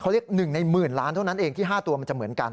เรียก๑ในหมื่นล้านเท่านั้นเองที่๕ตัวมันจะเหมือนกัน